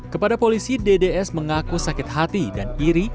kepada polisi dds mengaku sakit hati dan iri